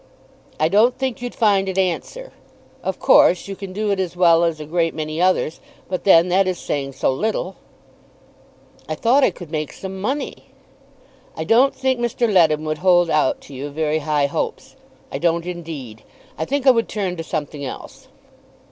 "I don't think you'd find it answer. Of course you can do it as well as a great many others. But then that is saying so little!" "I thought I could make some money." "I don't think Mr. Leadham would hold out to you very high hopes; I don't, indeed. I think I would turn to something else."